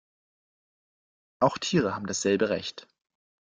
Auch Tiere haben das selbe recht.